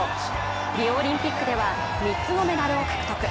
リオオリンピックでは３つのメダルを獲得。